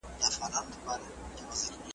نو پر سر او ملا یې ورکړل ګوزارونه `